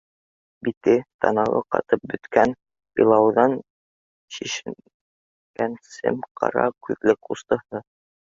Бите, танауы ҡатып бөткән, илауҙан шешенгән сем-ҡара күҙле ҡустыһы